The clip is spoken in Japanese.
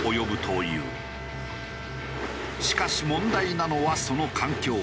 しかし問題なのはその環境。